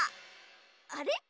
あれ？